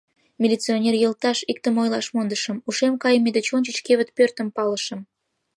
Милиционер йолташ, иктым ойлаш мондышым: ушем кайыме деч ончыч кевыт пӧртым палышым.